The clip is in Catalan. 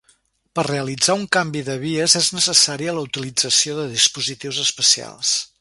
Per realitzar un canvi de vies és necessària la utilització de dispositius especials.